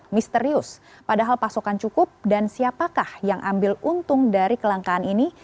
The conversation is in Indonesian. misterius padahal pasokan cukup dan siapakah yang ambil untung dari kelangkaan ini